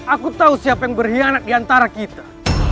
aku tahu siapa yang berkhianat diantara kita